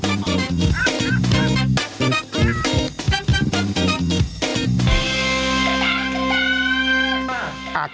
เดี๋ยวกลับมาใส่ไข่ช่วงหน้าครับ